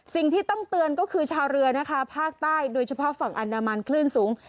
สิ่งที่ต้องเตือนก็คือชาวเรือนะคะภาคใต้โดยเฉพาะฝั่งอันดามันคลื่นสูง